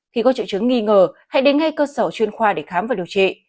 khi có trực trứng nghi ngờ hãy đến ngay cơ sở chuyên khoa để khám và điều trị